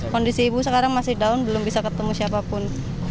kondisi ibu sekarang masih down belum bisa ketemu siapapun